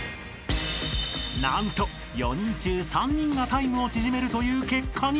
［なんと４人中３人がタイムを縮めるという結果に］